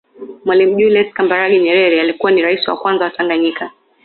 Mwalimu Julius Kambarage Nyerere alikuwa ni Rais wa kwanza wa Tanganyika